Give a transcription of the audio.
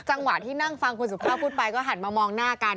จังหวะที่นั่งฟังคุณสุภาพพูดไปก็หันมามองหน้ากัน